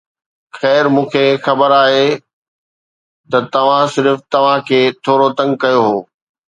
خير، مون کي خبر آهي ته توهان صرف توهان کي ٿورو تنگ ڪيو هو